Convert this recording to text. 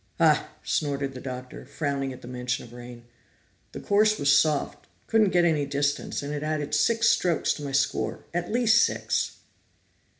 "Hah!" snorted the Doctor, frowning at the mention of rain. "The course was soft. Couldn't get any distance, and it added six strokes to my score. At least six!"